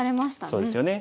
そうですよね。